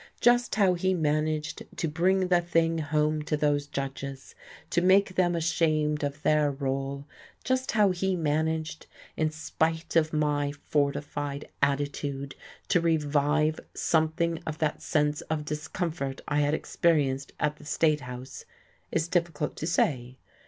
Just how he managed to bring the thing home to those judges, to make them ashamed of their role, just how he managed in spite of my fortified attitude to revive something of that sense of discomfort I had experienced at the State House is difficult to say.